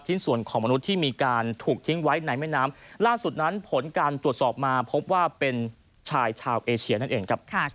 ส่วนของมนุษย์ที่มีการถูกทิ้งไว้ในแม่น้ำล่าสุดนั้นผลการตรวจสอบมาพบว่าเป็นชายชาวเอเชียนั่นเองครับ